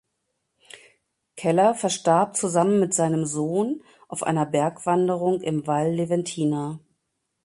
Keller verstarb zusammen mit seinem Sohn auf einer Bergwanderung im Valle Leventina.